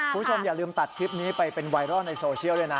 คุณผู้ชมอย่าลืมตัดคลิปนี้ไปเป็นไวรัลในโซเชียลด้วยนะ